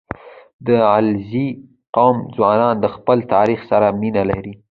• د علیزي قوم ځوانان د خپل تاریخ سره مینه لري.